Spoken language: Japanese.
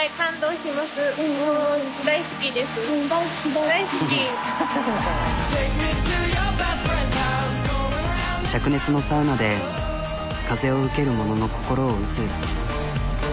しゃく熱のサウナで風を受ける者の心を打つ。